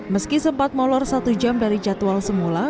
meski sempat molor satu jam dari jadwal semula